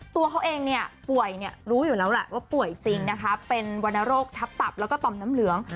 ตัวเขาเองเนี่ยป่วยรู้อยู่แล้วแหละว่าป่วยจริงนะคะเป็นวรรณโรคทับตับแล้วก็ต่อมน้ำเหลือง